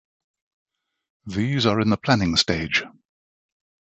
These are in the planning stage.